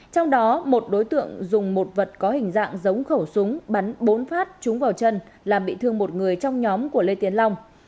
trong đó một đối tượng dùng một vật có hình dạng giống khẩu súng bắn bốn phát trúng vào chân làm bị thương một người trong nhóm của lê tiến long